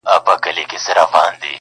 o د شپې بند اوبو وړی دئ.